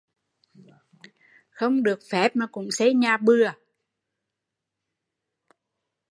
Không được phép mà cũng xây nhà bừa